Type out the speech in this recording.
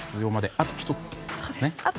あと１つです。